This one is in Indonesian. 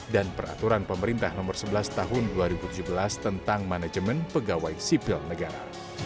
dan peraturan pemerintah no sebelas tahun dua ribu tujuh belas tentang manajemen pegawai sipil negara